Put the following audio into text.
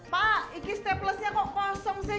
pak ini staplesnya kok kosong sih